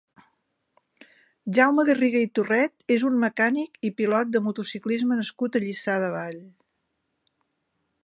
Jaume Garriga i Torret és un mecànic i pilot de motociclisme nascut a Lliçà de Vall.